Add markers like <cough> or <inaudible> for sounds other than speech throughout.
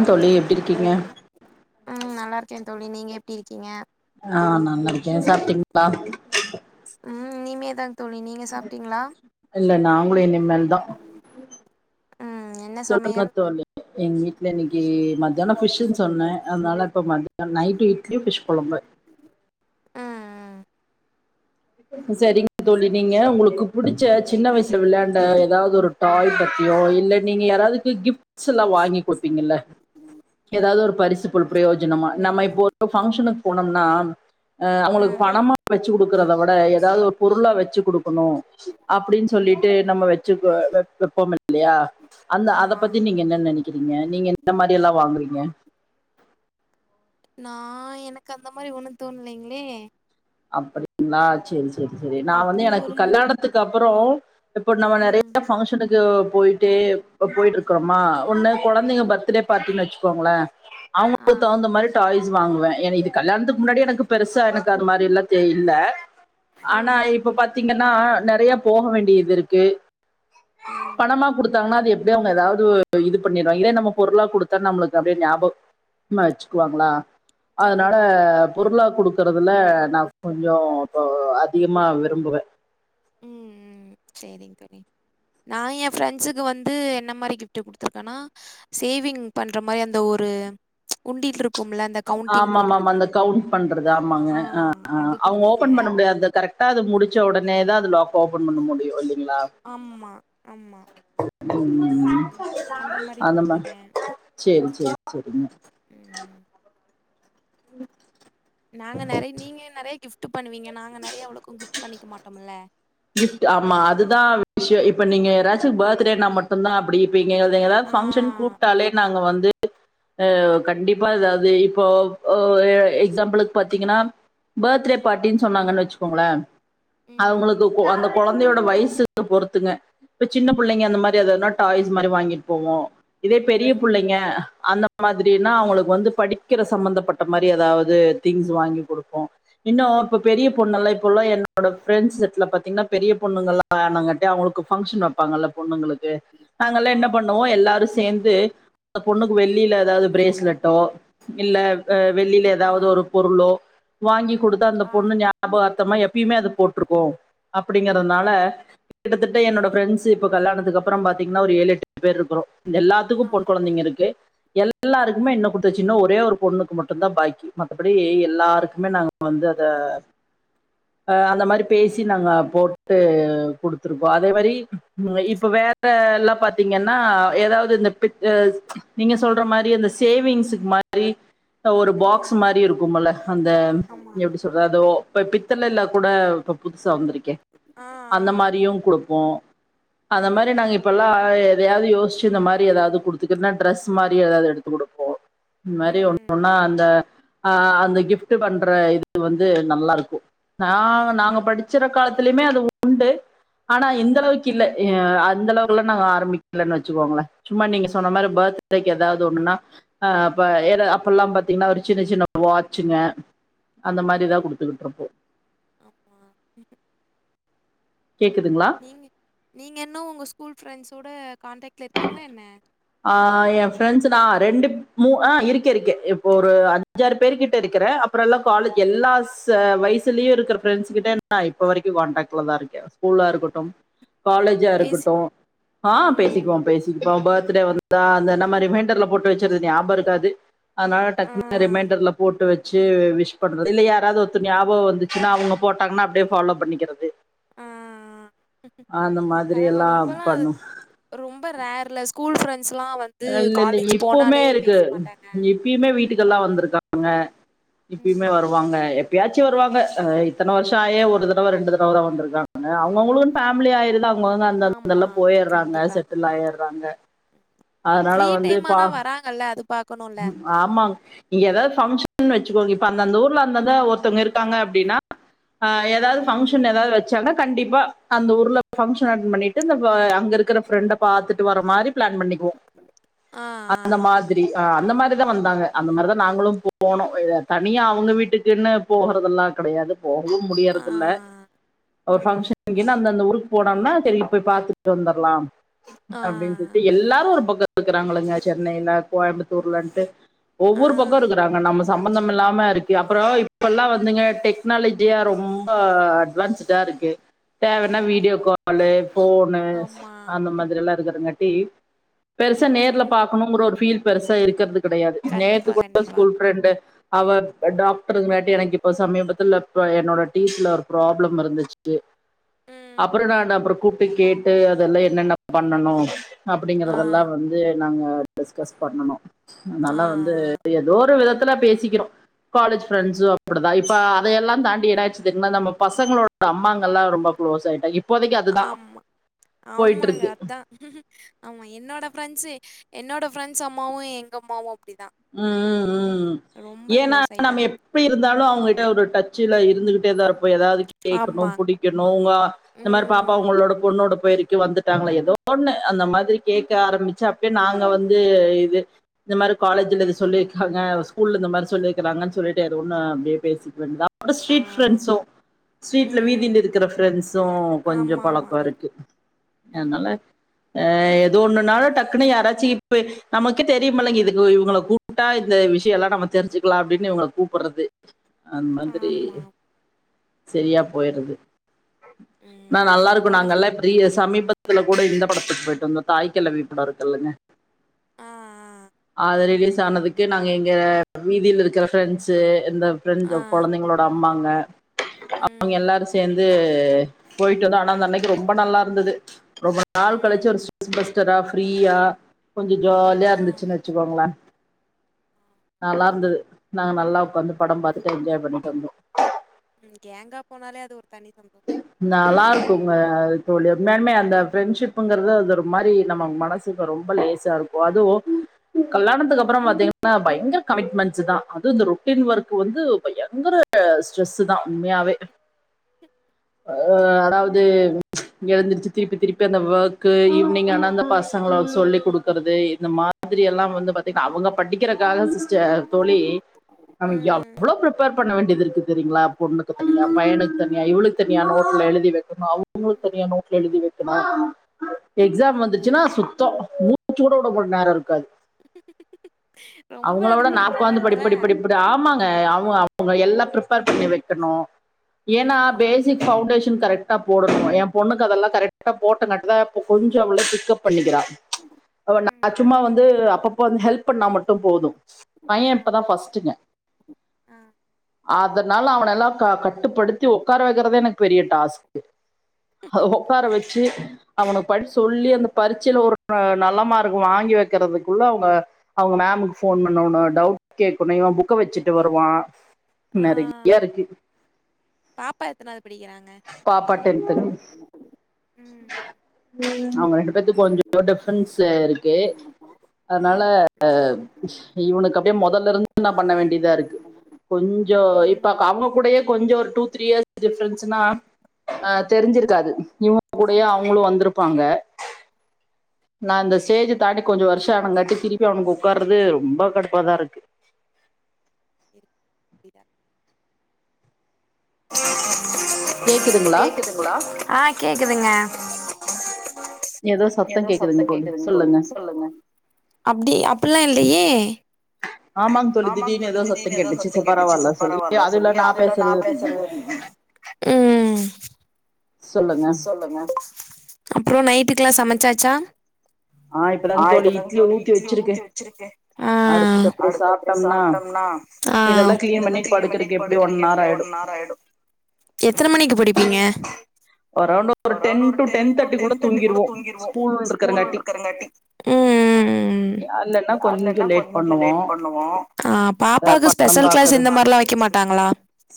ஆ தோழி எப்டி இருக்கீங்க ம் நல்லா இருக்கேன் தோழி நீங்க எப்டி இருக்கீங்க ஆ நல்லா இருக்கேன் சாப்பிட்டீங்களா ம் இனிமேதா தோழி நீங்க சாப்பிட்டீங்களா இல்ல நாங்களும் இனிமேல் தான் ம் என்ன சொல்லுங்க சமையல் தோழி எங்க வீட்ல இன்னைக்கு மத்தியானம் ஃபிஷ்சு சொன்னேன் அதனால இப்ப மத்தயானம் நைட்டு இட்லி பிஷ் கொழம்பு ம் சரிங்க தோழி நீங்க உங்களுக்கு புடிச்ச சின்ன வயசுல விளையாண்ட ஏதாவது ஒரு டாய் பத்தியோ இல்ல நீங்க யாராவதுக்கு கிஃப்ட் ஸ்ல்லாம் வாங்கி குடுப்பீங்கல்ல ஏதாவது ஒரு பரிசு ஒரு பிரயோஜனமா நம்ம இப்போ ஒரு பங்க்ஷனுக்கு போனோம்னா ஆ அவுங்களுக்கு ம் பணமா வச்சு குடுக்குறத விட ஏதாவது ஒரு பொரு ள்லா வச்சு குடுக்கணும் அப்டின்னு சொல்லிட்டு நம்ம வச்சு வை வைப்போம் இல்லையா அந்த அத ஆமா பத்தி நீங்க என்ன நினைக்கிறீங்க நீங்க இந்த மாரில்லாம் வாங்குறீங்க நா எனக்கு அந்த மாரி ஒண்ணு தோண்லைங்களே அப்டிங்களா செரி செரி செரி நா வந்து அப்டி எனக்கு ஒரு கல்யாணத்துக்கு அப்றோ இப்போ நம்ம ம் நெறைய பங்க்ஷனுக்கு போய்ட்டு போயிட்டுருக் கமா ஒன்னு குழந்தைங்க ம் பர்த்டே பார்ட்டினு வச்சுக்கோங்களே ஆ அவங்களுக் தகுந்த மாரி டாய்ஸ் வாங்குவே எனக்கு இது கல்யாணத்துக்கு முன்னாடி எனக்கு பெருசா எனக்கு அது மாரில்லா இல்ல ஆனா ம் இப்ப பாத்தீங்கன்னா நெறைய போக வேண்டியதுருக்கு ம் பணமா கொடுத்தாங்கன்னா அது எப்டி அவங்க ஏதாவது இது பண்ணடுவாங்க இதே நம்ம பொருளா கொடுத்தா நமளுக்கு அப்டியே ஞாப கமா வச்சுக்குவாங்களா அதனால கண்டிப்பா பொருளா குடுக்கிறதுள்ள நான் கொஞ்சோ இப்ப அதிகமா விரும்புவே ம் ம் செரி <unintelligible> நா என் ஃப்ரெண்ட்ஸுக்கு வந்து என்ன மாரி கிஃப்ட் குடுத்துருக்கேன்னா சேவிங் பண்ற மாரி அந்த ஒரு உண்டீல்ருக்கும்ல அந்த கவுண்டிங் ஆம்மாம்மாம்மா போடுறது அந்த கவுண்ட் பண்றது ஆமாங்க ஆ அது அவங்க குடுத்துருக்கே ஓபன் பண்ண முடியா கரெக்ட் டா அது முடிச்ச உடனேதா அது லாக்க ஓபன் பண்ண முடியு இல்லிங்களா அம்மா அம்மா ம் ம் ம் மாரி அந்த மா குடுத்துருக்கே செரி செரி செரிங்க ம் ம் நாங்க நெறைய நீங்க நெறைய கிஃப்ட் பண்ணுவீங்க நாங்க நெறைய அவ்வளோக்கும் கிஃப்ட் பண்ணிக்க மாட்டோம்ல கிஃப்ட் ஆமா அதுதா விஷயோ இப்ப நீங்க யாரசுக்கு பர்த்டேனா மட்டு தா அப்டி <unintelligible> ஆ ஃபன்ச்ஷன் கூப்ட்டாலே நாங்க வந்து அ கண்டிப்பா ஏதாவது இப்போ ஒ எக்ஸாம்பிளுக்கு பாத்தீங்கன்னா பர்த்டே பார்ட்டின்னு சொன்னாங்கன்னு வச்சுக்கோங்களே ம் அவங்களு போ அந்த கொழந்தையோட வயசுக்கு பொறுத்துங்க இப்ப சின்ன பிள்ளைங்க அந்த மாரி எதுனா டாய்ஸ் மாரி வாங்கிட்டு போவோ இதே பெரிய ம் புள்ளைங்க அந்த அது மாதிரின்ன அவங்களுக்கு வந்து படிக்கிற சம்பந்தப்பட்ட மாரி ஏதாவது திங்ஸ் வாங்கி குடுப்போ இன்னு இப்ப பெரிய பொண்ணுல்லா இப்பல என்னோட பிரரெண்ட்ஸ் ல பாத்தீங்கன்னா பெரிய பொண்ணுங்கல்லா வேனாங்கட்ட அவங்களுக்கு பங்க்ஷன் வைப்பாங்கல்ல பொண்ணுங்களுக்கு நாங்கல்லா ஆமா என்ன பண்ணுவோ எல்லாரு சேந்து ந்த பொண்ணுக்கு வெள்ளியில ஏதாவது ம் பிரேஸ்லெட்டோ இல்ல அ வெள்ளில ஆ ஏதாவது ஒரு பொருளோ வாங்கி குடுத்த அந்த ஆ பொண்ணு நியா பகர்த்தமா எப்பயுமே அது போட்ருக்கு அப்டிங்கறதுனால கிட்டதட்ட என்னோட பிரஃப்ரெண்ட்ஸ்சு இப்ப கல்யாணத்துக்கப்றோ பாத்தீங்கன்னா ஒரு ஏழு எட்டு பேர் இருக்றோ எல்லாத்துக்கு ஆ பொன் கொழந்தைங்க இருக் <unintelligible> ஆ எல்லாருக்குமே இன்னும் குடுத்தாச்சு இன்னு ஒரே ஒரு பொண்ணுக்கு மட்டு தா பாக்கி மற்றபடி எல்லாருக்குமே நாங்க வந்து அத ஆ அந்த மாரி பேசி நாங்க போட்டு குடுத்துருக்கோ அதே மாரி இப்ப வேற எல்லா பாத் தீங்கன்னா ஏதாவது இந்த பிட் ஆ நீங்க சொல்ற மாரி இந்த சேவிங்ஸக்கு மாரி ஒரு பாக்ஸ் ம் மாரி இருக்குமல அந்த ஆமா எப்டி றதோ இப்ப பித்தளள கூட இப் புதுசா வந்திருக்கே ஆ அந்த ஆ மாரியு குடுப்போ அந்த மாரி ம் நாங்க இப்பெல்லா எதயாது யோசிச்சு இந்த மாரி ஏதாவது குடுத்துக்கன்னா டிரெஸ் மாரி ஏதாது எடுத்து குடுப்போ இந் மாரி ஒண்ணு ம் ஒன்னா அந்த ஆ அந்த கிஃப்ட்ட் பண்ற இது வந்து நல்லாருக்கு ஆ நாங்க ச்சிர கண்டிப்பா காலத்லையுமே அது உண்டு ஆனா இந்த ம் அளவுக்கு இல்ல எ அந்த அளவுக்குல்லா நாங்க ஆரம்பிக்கலன்னு வச்சுக்கோங்களேன் சும்மா நீங்க சொன்ன மாரி பர்த்டேக்கு ஏதா ஒண்ணுன்னா ஆ அப்ப ஏல அப்பல்லாம் பாத்தீங்கன்னா ஒரு சின்ன சின்ன வாச்சுங்க அந்த ஆமா மாரிதான் குடுத்துக்கிட்டு இருப்போம் ஆமா கேக்குதுங்ளா நீங்க நீங்க இன்னும் உங்க ஸ்கூல் ஃப்ரெண்ட்ஸோட கான்டக்ட்ல் இருக்கீங்ளா என்ன ஆ என் ஃப்ரெண்ட்ஸ் நான் ரெண்டு மூ ஆ இருக்க இருக்கே இப்போ ஒரு அஞ்சாறு பேரு கிட்ட இருக்கறே அப் அப்புறல்லாம் காலஜ் எல்லா ஸ் வயசுலயும் இருக்கிற ஃப்ரண்டஸ்கிட்ட நான் இப்போ வரைக்கும் காண்டாக்டில தான் இருக்கேன் ஸ்கூலா இருக்கட்டும் காலேஜா பேசி இருக்கட்டும் ஆ ம் பேசிக்குவோம் பேசிக்குப்போம் பர்த் டே வந்தா அந்த நம்ம ரிமைண்டர்ல போட்டு வச்சிருது ஞாபரு க்காது அதனால ஆ டக்குனு ரிமைண்டர்ல போட்டு வச்சு விஷ் பண்றது இல்ல யாராவது ஒருத்தர் ஞாபகம் வந்து அவங்க போட்டாங்கனா அப்டியே ஃபாலோ பண்ணிக்கிறது ஆ அந்த மாதிரி பரவால்ல எல்லாம் இப்பல்லா அது பண்ணுவ ரொம்ப ரேர்ல ஸ்கூல் ஃப்ரெண்ட்ஸ் லாம் வந்து இல்ல இல்லிங்க காலேஜ் இப்போமே போனாலே பேச இருக்குது மாட்டாங்க அது பெயுமே வீட்டுக்கெல்லாம் வந்திருக்காங்க இப்பயுமே ம் வருவாங்க எப் யாச்சி வருவாங்க இத்தனை வருஷமாயே ஒரு தடவை ரெண்டு தடவை தான் வந்திருக்காங்க அவங்கவங்களுக்கு ஃபேமிலி ஆயிருந்தா அவங்க வந்து அந்த ஆமா அங்கல்லாம் போயிறாங்க கண்டிப்பா செட்டில் ஆயறாங்க அதனால ஃப்ரீ வந்து டைம் பா ஆனா வராங்கல்ல அது பாக்கணுல்ல ஆமா இங்க ஏதாவது பங்க்ஷன் வச்சுக்கோங்க இப்ப அந்தந்த ஊர்ல அந்தத ஒருத்தவங்க இருக்காங்க அப்டினா ஆ ஏதாவது ம் பங்க்ஷன் ஏதாவது வச்சாங்னா கண்டிப்பா அந்த ஊர்ல ஃபங்க்ஷன் அட்டன் பண்ணிட்டு இந்த அங்க இருக்குற ஃப்ரெண்ட பாத்துட்டு வர மாரி பிளான் பண்ணிக்குவோம் ஆ அந்த மாதி ரி அந்த மாரிதான் வந்தாங்க அந்த மாரிதான் நாங்களும் போனோம் தனியா அவங்க வீட்டுக்குன்னு போகறதெல்லாம் கிடையாது போகவும் ஆ ஆ முடியறதல்ல அவ ம் பங்கஷன் அங்கனா அந்த அந்த உருக்கு போனோம்னா சரி போய் பாத்துட்டு வந்தர்லாம் ஆ அப்டின்னு சொல்லிட்டு எல்லாரும் ஒரு இருக்கிறாங்களங்க சென்னையில கோயம்புத்தூர்ல ன்டு ஆ ஒவ்வொரு பக்கம் இருக்குறாங்க நம்ம சம்பந்தம் இல்லாம இருக்கு அப்புறம் இப்பெல்லாம் வந்துங்க டெக்னாலஜியா ரொம்ப அட்வான்ஸ் இதா இருக்கு தேவன்னா வீடியோ கண்டிப்பா கால்லு ஃபோனு ஆமா அந்த மாதிரில்லாம் இருக்கறங்காட்டி பெருசா நேர்ல ம் பாக்கணுங்கிற ஒரு ஃபீல் பெருசா இருக்கிறது கிடையாது கண்டிப்பா நேத்துக்கு கூட கண்டிப்பா ஸ்கூல் ஃப்ரெண்டு அவ டாக்டருங் காட்டி எனக்கு இப்ப சமீபத்துல என்னோட டீத்துல ஒரு ப்ராப்ளம் இருந்துச்சி ம் அப்புறம் நான் அப்புறம் கூப்டு கேட்டு அதெல்லாம் என்னென்ன பண்ணனும் அப்படிங்கற ஆ ல்லாம் வந்து நாங்க டிஸ்கஸ் பண்ணனோம் அதனால ஆ வந்து ஏதோ ஒரு விதத்துல பேசிக்கிறோம் காலேஜ் பிரெண்ட்ஸு அப்டிதான் இப்ப அதையெல்லாம் தாண்டி என்ன தெரியுமா நம்ம பசங்களோட அம்மாங்கல்லாம் ரொம்ப குளோஸ் ஆயிட்டா இப் ஆமா ஆமாங்க இருக்கு அத்தா ஆமா என்னோட ஃப்ரெண்ட்ஸு என்னோட ஃரெண்ட்ஸ் அம்மாவு எங்க அம்மாவு அப்டிதா ம் ம் ம் ரொம்ப ஏனா க்ளோஸ் நாம ஆயிட்டாங்க எப் ப்ப இருந்தாலு அவங்கட்ட ஒரு டச்சுல இருந்துகிட்டே தாஇருப்போ ஏதாவது கே கேக்கணு ஆமா புடிக்கணு உங்க இந்த மாரி பாப்பா ம் உங்களோட பொண்ணோட போயிருக் கு வந்துட்டாங்களா ஏதோ ஒண்ணு அந்த மாதிரி கேட்க ஆரம்பிச்சி அப்பயே நாங்க வந்து இது இந்தமாரி காலேஜில இது சொல்லிருக்காங்க ஸ்கூல்ல இந்த மாரி சொல்லிருக்காங்கன் சொல்லிட்டு ஏதோஒன்னும அப்டியே பேசிக்க வேண்டிதா அட ஆ ஸ்ட்ரீட் ஃப்ரெண்ஸோம் ஸ்ட்ரீட் விதில ம் இருக்கிற ஃப்ரெண்ட்ஸும் கொஞ்ச ஆமாமா பழக்கோ இருக்கு அதுனால ம் ஆ ஏதோ ஒன்னுநாள டக்குன்னு யாராச்சி இப்ப நமக்கே தெரியுமல்லங்க இது தோ இவங்கள கூப்டா இந்த விஷயல்லா நம்ம தெரிஞ்சிக்கலா அப்டி இவங்கள கூப்படுறது அந் மாதிரி ஆமா செரியா போயிறது நா ம் நல்லா இருக்கு என்னோட ஃப் நாங்கல்லாப் தெரிய சமீபத்துல கூட இந்த படத்துக்கு போயிட்டு வந்தோ தாய்க்கெழவி படோருக்குலாங்க ஆ அது ரிலீஸ் ஆனதுக்கு நாங்க எங்க வீதில இருக்ற ஃபிரென்ட்சே இந்த ஆ ஆ பிரெஞ்ஜம் கொழந்தைங்களோட அம்மாங்க அவங்க ம் எல்லாரு சேர்ந்து போயிட்டு வந்தோ ஆனா அந்த அன்னைக்கு ரொம்ப நல்லா இருந்தது ரொம்ப நாள் கழிச்சி ம் ஒரு <inaudible> பஸ்டரா ஃப்ரீயா கொஞ்சோ ஜாலியா ஆ இருந்துச்சின்னு சொல்லுவாங்கல நல்லா இருந்தது நாங்கநல்லா உக்காந்து படம் பாத்துட்டு என்ஜாய் பண்ணிட்டு வந்தோ ம் கேங்கா போனாலே அது ஒரு தனி சம்போ நல்லா இருக்குங்க தோழி உண்மையாலுமே அந்த ஃப்ரெண்டஷிப்ங்கிறது அது ஒரு மாரி நம்ம மனசு ரொம்ப லேசா இருக்கு அதுவோ கல்லாணத்துக்கு அப்பறோ பாத்தீங்கன்னா பயங்கர கமிட்மெண்ட்ஸ் தா அது இந்த ரொட்டின் ஒர்க் வந்து பயங்கர ட ஸ்ட்ரெஸ் தா உண்மையாவே அ ம் அடாவது எழுந்திருச்சி திருப்பி திருப்பி அந்த வர்க்கு ஈவினிங் ஆனா அந்த பசங்லோ சொல்லி குடுக்கறது இந்த மா திரி எல்லா வந்து பாத்தீங்னா அவங்க படிக்கிறக்க காலோ சிஸ்டர் தோழி நம்ம ம் எவ்ளோ பிரிப்பர் பண்ண வேண்டியது இருக்க தெரிங்ளா பொண்ணுக்கு தனியா பையனுக்கு தனியா இவளுக் கு தனியா நோட்ல எழுதி வைக்குணு அவங்களு தனியா நோட்ல எழுதி வைக்கனோ எக்ஸாம் வந்துச்சின்னா ம் சுத்தோ மூச்சு குட வுட நேரோ இருக்காது ரொம்ப இது அவங்களவிட நா பண்ணிருப்பீங்க உக்காந்து போல படிப்படி படிப் படி ஆமாங்க அவங்க அவங்க எல்லா பிரிப்பர் பண்ணி வைக்கணு ஏனா ம் பேஸ் பவுண்டேஷன் கரெக்டா போடணு ஏ பொண்ணுக்கு அதெல்லா கரெக்டா போட்ட நட்ல கொஞ்சோ அவள பிக்கப் பண்ணிக்கிறா அவா நா ம் சும்மா வந்து அப்பப்ப வந்து ஹெல்ப் பண்ணா மட்டு போது பைய ஆ இப்ப தா ஃபஸ்ட்டுங்க ஆ அதனால அவன எல்லா கட்டுப்படுத்தி ஒ உக்கார வைக்கிறதே எனக்கு பெரிய டாஸ்க்கு ஹ ஒ உக்கார வச்சி அவனுக்கு படி சொல்லி அந்தப் பரீச்செல ஒரு நல்ல மார்க் வாங்கி வைக்கறதுக்குள்ள அவங்க அவங்க மேமுக்கு போன் பண்ணுனு டவுட் கேட்கணு இவ புக்க வச்சிட்டு வருவா ஆ நெறையா இருக்கு பாப்பா எத்தனாவது படிகிறாங்க பாப்பா டென்த்து ம் அவங்க ரெண்டு பேத்து கொஞ்சோ டிஃப்ரென்ஸ்சே இருக்கு அதனால ம் இவனுக்கு அப்டியே மொதல்ல இருந்து நா பண்ண வேண்டியதா இருக்கு கொஞ்சோ ம் இப்பாக் அவங்க கூடயோ கொஞ்சோ ஒரு டூ த்ரீ இயர்ஸ் டிஃப்ரன்ஸ்னா அ தெரிஞ்சிருக்காது இவ கூடயே ஆமா அவங்களு வந்திருப்பாங்க நா அந்த ஸ்டேஜ் தாண்டி கொஞ்சோ வருஷ ஆனங்காட்டி திருப்பி அவனுக்கு உக்காறது ரொம்ப கடுப்பா தா இருக்கு இரு விடா கேக்குதுங்களா கேக்குதுங்ளா ஆ கேக்குதுங்க ஏதோ சத்த கேக்குதுங் தோழி சொல்லுங்க அப்டி அப்பில்லா இல்லயே ஆமாங்க ஆமாங் திடீர்னு தோழி திடீனு சத்தம் ஏதோ சத்தங் சரி கேட்டுச்சு பரவால்ல சத்த சொல்லி ரவல்ல அதுல சொல்லி அது இல்ல நா பேசுறது பெர் சொல்லவ திதி ம் சொல்லுங்க அப்றொ நைட்க்கல்லா சமச்சாச்சா ஆ இப்பதா தோழி இட்லிய ஊத்தி வச்சிருக்க அடுத்து அப்படியே அடுத்தபடி சாப்ட்டோம்னா சாப்டோம்னா இதெல்லாம் கிளீன் இதெல்லா கிளின் பண்ணிட்டு படுக்கறக்கு எப்படி ஒன் படுக்குறக்கு ஹவர் எப்டியு ஆயிடும் ஒன் ஆர் ஆய்டு எத்தன மணிக்கு படுப்பீங்க ரவ்ண்டா அரௌண்ட் ஒரு டென் டு டென் தேட்டி கூள்ள தூங்கிறுவோ ஸ்கூல் க்ரங்காட்டி இல்லைன்னா அங்க தா கொஞ்சம் லேட் கொஞ்ச லேட் பண்ணுவோம் பண்ணுவோ அஹ் பாப்பாவுக்கு படம் ஸ்பெஷல் கிளாஸ் பார்க்கறது இந்த மாரில்லா வெக்க மாட்டாங்களா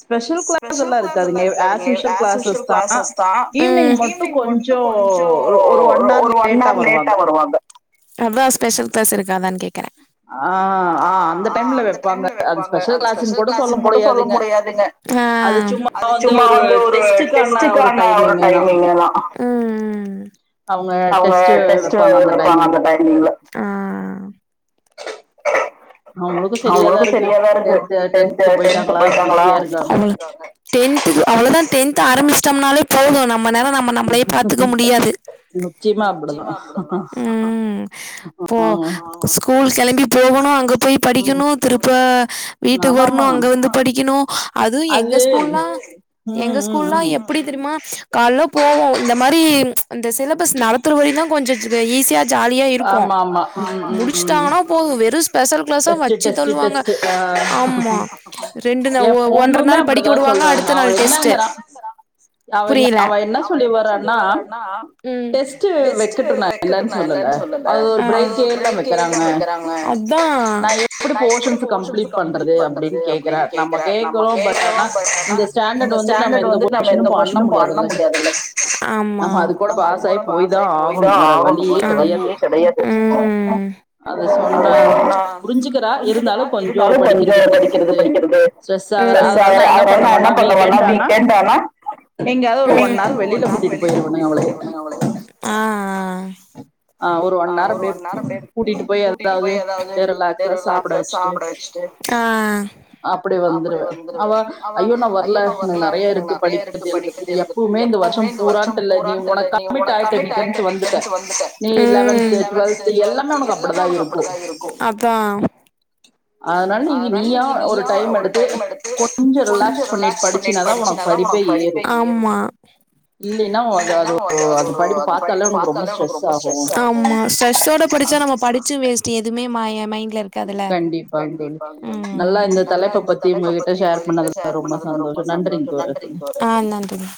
ஸ்பெஷல் கிளாஸ் ஸ்பெஷல் ல்லா எல்லா இருக்காதுங்க as usual as classes usual தா தா ஈவினிங் ஈவினிங் மட்டு கொஞ்சொ ஒரு ஒன் ஹவர் ஒரு ஒன் ஆர் லேட்டா வருவாங்க அதா ஸ்பெஷல் கிளாஸ் இருக்காதான் கே ஆ ஆ அந்த டைம்ல வெப்பாங்க அது ஸ்பெஷல் கிளாஸுன் கூட சொல்ல முடியாதுங்க அ அது சும்மா அது சும்மா வந்து ஒரு டெஸ்ட்டுக்கான ஒரு டெஸ்டுக்கான டைமிங்கு தா டைமிங்லனா அவங்க டெஸ்ட் வெப்பாங்க அந்த டைம்ல அவங்களுக்கு அவ்ங்களுக்கு இருக்கு சரியாதா ருக்கு டென்த்து டென்த் டென்த்து டென்த் போயிட்டாங்களா பிஸியா இருக்காங்க அவ்களுக்காக டென்துகு அவ்ளோதா டென்த் ஆரம்மிச் டம்னாலே பொது நம்ம நால நம்ம நம்ளெ பாத்துக்க முடியாது நிச்சயமா அப்டிதா ம் பொ ஆமா ப்பஸ்கூல் கெளம்பி போகணு அங்க போய் ம் படிக்கணு திருப்ப வீட்டுக்கு ஆமா வர்ணு ஆமாங் அங்க வந்து படிக்கணு அதூ எங்க அது ஸ்கூல்லா எங்க ம் ம் ஸ்கூல்லா ம் எப்படி தெர்மா கால்ல போவோ இந்த மாரி அந்த சிலபஸ் நடத்துற வரையு தா கொஞ்ச ஈஸியா ஜாலியா இருக்கு ஆமா ஆமா ம் ம் ம் முடிச்சுடாங்கனா போது வெறு ஸ்பெஷல் கிளாஸா டெஸ்ட்டு வச்சு டெஸ்ட்டு தள்ளுவாங்க டெஸ்ட்டு ஆமா ஆ ரெண்டு நாள் என் ஒன்ர பொண்ணுமே நாள் படிக் க்க அப்படிதான் வுடுவாங்க சொல்றாங்க அடுத்த அவ நாள் டெஸ்ட்டு என்னங்கிறா அவங்க அவ அவா என்ன அவா என்ன சொல்லி வர்றான்னா வரான்னா டெஸ்ட் டெஸ்டு வைக்கட்டும் வக் நான் இல்லைன்னு வக்கட்டுமெ இல்லனு சொல்லல அது பிரேக்கே ஒரு இல்லாம வைக்கிறாங்க பிரேக்கேல்லாம வெக்கறாங்க நான் எப்படி நா எப்டி போர்ஷன்ஸ் போஷன்ஸ் கம்ப்ளீட் அப்படின்னு பண்றது அப்டின் கேக்குறேன் கேக்குறா நம்ம கேக்குறோம் பட் கேக்குறோ ஆனா பட் ஆனா இந்த இந்த ஸ்டாண்டர்ட் வந்துட்டு நம்ம ஸ்சாண்டட் எந்த வந்துட் நம்ம எந்த போர்ஷனும் போசனு பண்ண முடியாதுல்ல சிஸ் நம்ம அது பாஸ் ஆகி கூட போய் தான் பாசாயி போய் தா ஆகணும் வேற ஆகணு வழியே வெற வழியே கெடையாது அதுதா சொன்ன அது நா புரிஞ்சுக்கிறா இருந்தாலு கொஞ்சொ படிக்கிறது படிக்கிறது ஸ்ட்ரெஸ் ஆகுற டிரஸ் அதனால ஆஹ்ரா நான் என்ன ஆஹ்ரது நாதா பண்ணுவேன்னா பண்ணுவனா வீக்கெண்ட் ஆனா வீக்கெட்டானா எங்கயாவது ஒரு ஒன் எங்யாது ஹவர் வெளியில ஒன் ஆர் கூட்டிட்டு வெளில போயிருவனுங்க கூட்டிட்டு அவளுக்கு போயிருகனுங்க அவள ஆ ஒரு ஒன் ஹார் அப்டியே கூட்டிட்டு போய் கூட்டிட்டு ஏதாது போய் ஏதாவது ரிலாக்ஸா சாப்ட வச்சுட்டு ஆ அப்டியே அப்டி வந்துருவ அவா அவ ஐயோ நா வர்ல எனக்கு வரல நெறைய இருக்கு நெறைய இருக்கு படிக்கிறது எழுதுறதுக்கு இப்வுமே எழுதுறது இந்த வர்ஷொ எப்பவுமே வருஷம் பூரான்ட்டுல்ல நீ பூரான்ட்டு இல்ல ஒனக் உனக்கு கமிட்டாய்ட நீ கமிட் ஆயிட்ட டென்த்து வந்துட்ட டென்த் நீ லெவன்த்து டுவெல்த்து எல்லாமே உனக்கு அப்டி எல்லா உனக்கு அப்டிதா இருக்கு அதனால நீ நீயா நீயா ஒரு டைம் எடுத்து கொஞ்சம் கொஞ்ச பண்ணிட்டு ரிலாக்ஸ் பண்ணி படிச்சினாதான் படிச்சின தா உனக்கு படிப்பே ஏறும் ஏறு இல்லைன்னா அது இல்லைனா அது ஒரு படிப்பு அந்த பார்த்தாலே படிப்ப உனக்கு பாத்தாலே ரொம்ப ஆகும் ஸ்ட்ரெஸ் ஆகு ஆமா ஸ்ட்ரெஸ்ஸோட படிச்ச நம்மோ படிச்சு வேஸ்ட்டு எதுவுமே மை மைண்ட்ல இருக்குதுல்ல கண்டிப்பா தோழி நல்லா தலைப்ப இந்த பத்தி தலைப்ப உங்ககிட்ட பத்தி ஷேர் உங்ககிட்ட பண்ணதுல ஷேர் பண்ணது ரொம்ப சந்தோஷம் சந்தோஷ நன்றிங்க தோழி நன்றிங்க